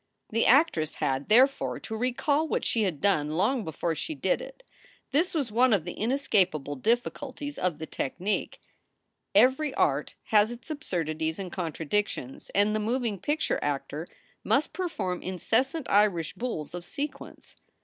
The actress had, therefore, to recall what she had done long before she did it. This was one of the inescapable difficulties of the technic. Every art has its absurdities and contradictions, and the moving picture actor must perform incessant Irish bulls of sequence.